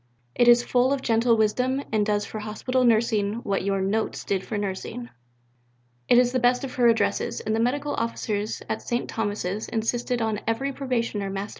It is full of gentle wisdom and does for Hospital nursing what your Notes did for nursing." It is the best of her Addresses, and the medical officers at St. Thomas's insisted on every Probationer mastering it.